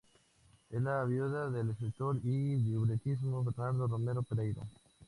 Es la viuda del escritor y libretista Bernardo Romero Pereiro.